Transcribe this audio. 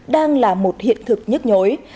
đang là một hiện thực nhức nhối